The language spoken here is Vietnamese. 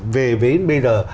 về với bây giờ